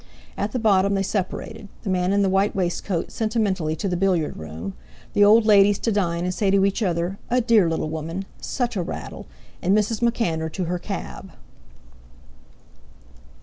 At the bottom they separated, the man in the white waistcoat sentimentally to the billiard room, the old ladies to dine and say to each other: "A dear little woman!" "Such a rattle!" and Mrs. MacAnder to her cab.